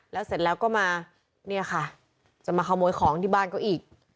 แล้วเสร็จแล้วก็มาเนี่ยค่ะจะมาขโมยของที่บ้านเขาอีก